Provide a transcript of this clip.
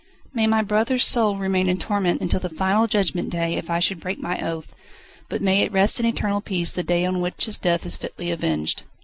"May my brother's soul remain in torment until the final Judgment Day if I should break my oath, but may it rest in eternal peace the day on which his death is fitly avenged."